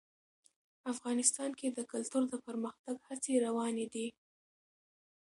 افغانستان کې د کلتور د پرمختګ هڅې روانې دي.